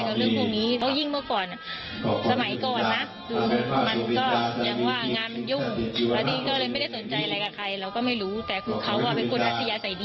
แค่นั้นนอกเหนือจากนั้นเราไม่รู้จริง